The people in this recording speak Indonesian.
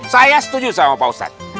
saya setuju sama pak ustadz